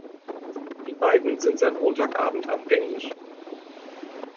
Die beiden sind seit Montag Abend abgängig.